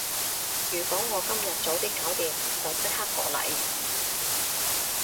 如果我今日早啲搞掂，就即刻過嚟